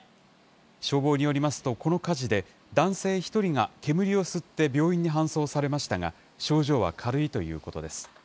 消防によりますと、この火事で男性１人が煙を吸って病院に搬送されましたが、症状は軽いということです。